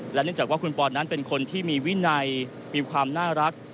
เนื่องจากว่าคุณปอนนั้นเป็นคนที่มีวินัยมีความน่ารัก